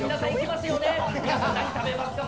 皆さん何食べますか？